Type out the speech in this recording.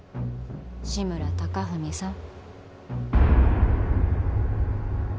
志村貴文さん